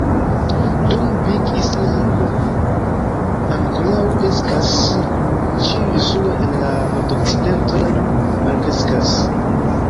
Dum "Big Island" ankoraŭ kreskas, ĉiuj insuloj en la nordokcidento jam malkreskas.